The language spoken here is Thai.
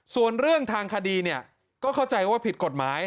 ส่วนเรื่องทางคดีก็เข้าใจว่าผิดกฎหมาย